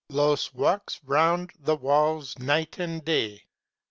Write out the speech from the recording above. Los walks round the walls night and day.